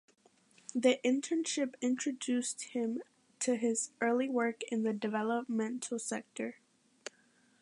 The internship introduced him to his early work in the development sector.